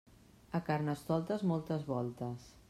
A Carnestoltes, moltes voltes.